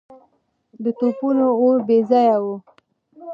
د توپونو اور بې ځایه و.